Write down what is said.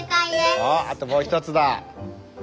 おあともう１つだ。